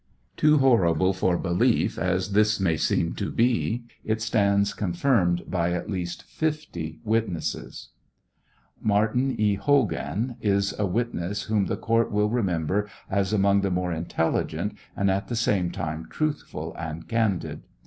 Too horrible for belief as this may seem to be, it stands confirmed by at least 50 witnesses. 746 TEIAL OF HENRY WIEZ. Martin E. Hogan is a witness •whom the court will remember as among the more intelligent, and at the same time truthful and candid.